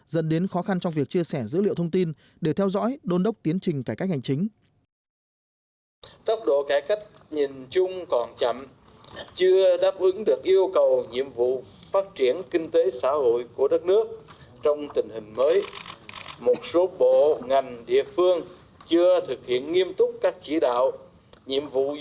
dẫn đến khó khăn trong việc chia sẻ dữ liệu thông tin để theo dõi đôn đốc tiến trình cải cách hành chính